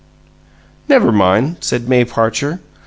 "Never mind!" said May Parcher.